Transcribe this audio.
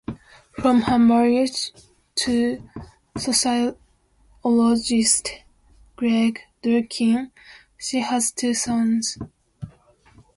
From her marriage to sociologist Greg Durkin she has two sons.